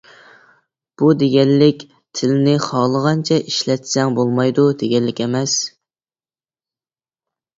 بۇ دېگەنلىك تىلنى خالىغانچە ئىشلەتسەڭ بولمايدۇ دېگەنلىك ئەمەس.